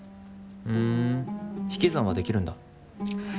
ふん引き算はできるんだ。